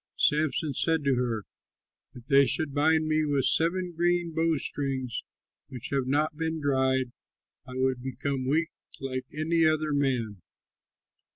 Samson said to her, "If they should bind me with seven green bowstrings which have not been dried, I would become weak like any other man."